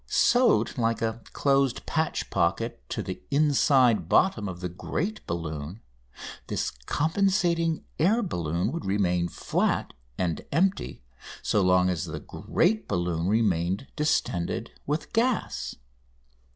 Sewed like a closed patch pocket to the inside bottom of the great balloon, this compensating air balloon would remain flat and empty so long as the great balloon remained distended with its gas.